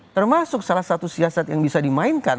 termasuk salah satu siasat yang bisa dimainkan